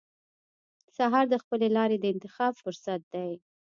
سهار د خپلې لارې د انتخاب فرصت دی.